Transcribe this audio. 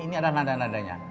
ini ada nada nadanya